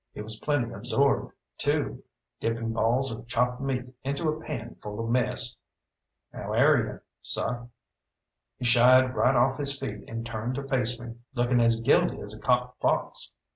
He was plenty absorbed too, dipping balls of chopped meat into a pan full of mess. "How air you, seh?" He shied right off his feet and turned to face me, looking as guilty as a caught fox.